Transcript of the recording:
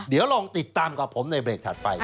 เดี๋ยวลองติดตามกับผมในเบรกถัดไป